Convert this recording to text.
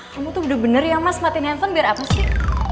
kamu tuh bener bener ya mas matin handphone biar apa sih